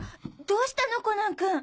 どうしたのコナン君！